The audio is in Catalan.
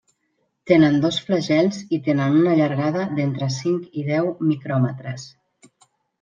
Tenen dos flagels i tenen una llargada d'entre cinc i deu micròmetres.